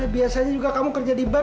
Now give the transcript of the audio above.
biasanya juga kamu kerja di bank